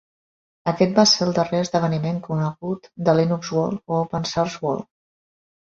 Aquest va ser el darrer esdeveniment conegut de LinuxWorld o OpenSource World.